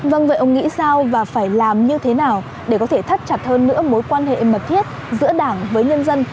vâng vậy ông nghĩ sao và phải làm như thế nào để có thể thắt chặt hơn nữa mối quan hệ mật thiết giữa đảng với nhân dân